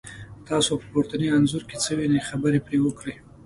تاسو په پورتني انځور کې څه وینی، خبرې پرې وکړئ؟